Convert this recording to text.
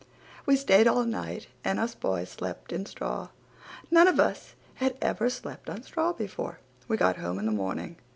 We stayed all night and us boys slept in straw. None of us had ever slept on straw before. We got home in the morning.